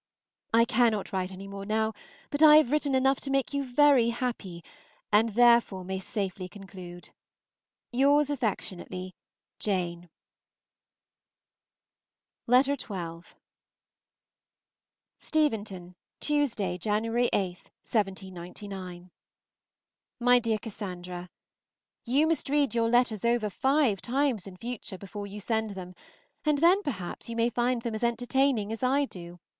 I cannot write any more now, but I have written enough to make you very happy, and therefore may safely conclude. Yours affectionately, JANE. Miss AUSTEN, Godmersham Park. XII. STEVENTON, Tuesday (January 8, 1799). MY DEAR CASSANDRA, You must read your letters over five times in future before you send them, and then, perhaps, you may find them as entertaining as I do.